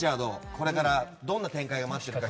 これからどんな展開が待っているのか。